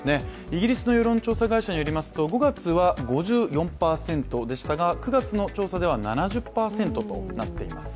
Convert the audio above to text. イギリスの世論調査会社によりますと５月は５４％でしたが９月の調査では７０％となっています。